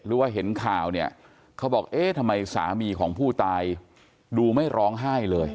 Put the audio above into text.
หรือว่าเห็นข่าวเนี่ยเขาบอกเอ๊ะทำไมสามีของผู้ตายดูไม่ร้องไห้เลย